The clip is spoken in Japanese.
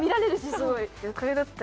すごい！